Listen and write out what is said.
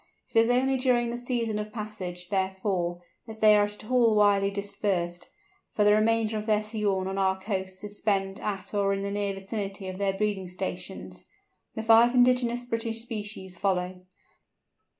It is only during the season of passage, therefore, that they are at all widely dispersed, for the remainder of their sojourn on our coasts is spent at or in the near vicinity of their breeding stations. The five indigenous British species follow.